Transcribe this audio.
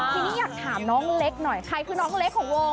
ทีนี้อยากถามน้องเล็กหน่อยใครคือน้องเล็กของวง